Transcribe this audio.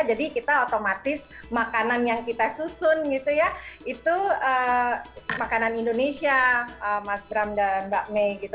jadi kita otomatis makanan yang kita susun gitu ya itu makanan indonesia mas bram dan mbak may gitu